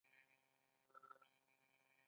احمد دا ډېره موده ننڅه ننڅه کېږي.